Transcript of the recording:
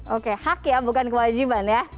oke hak ya bukan kewajiban ya